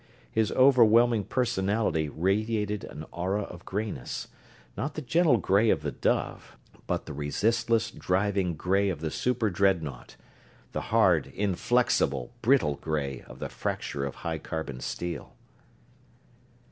His overwhelming personality radiated an aura of grayness not the gentle gray of the dove, but the resistless, driving gray of the super dreadnaught; the hard, inflexible, brittle gray of the fracture of high carbon steel.